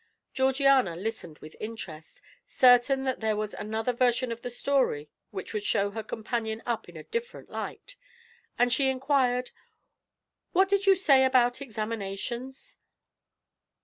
Georgiana listened with interest, certain that there was another version of the story which would show her companion up in a different light, and she inquired: "What did you say about examinations?"